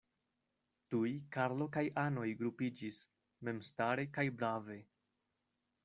Tuj Karlo kaj anoj grupiĝis, memstare kaj brave.